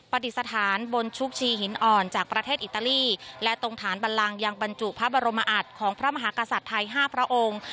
ปฏิสถานบนชุกชีหินอ่อนจากประเทศอิตาลีและตรงฐานบันลังยังบรรจุพระบรมอัตของพระมหากษัตริย์ไทย๕พระองค์